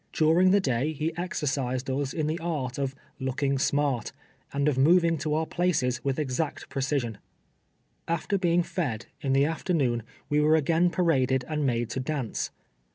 During the day he exercised us in the art of " looking smart," and of moving to our places with exact j^recision. After being fed, in the afternoon, we were again 2>araded and made to dance.